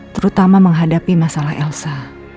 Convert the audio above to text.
terutama menghadapi masalah elsa